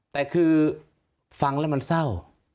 แต่คือฟังแล้วมันเศร้า